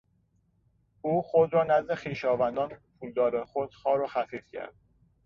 او خود را نزد خویشاوندان پولدار خود خوار و خفیف کرد.